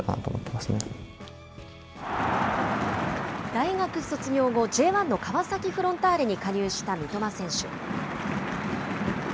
大学卒業後、Ｊ１の川崎フロンターレに加入した三笘選手。